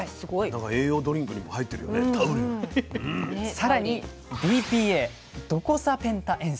更にＤＰＡドコサペンタエン酸。